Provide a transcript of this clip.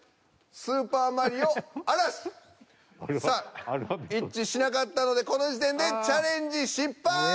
さあ一致しなかったのでこの時点でチャレンジ失敗！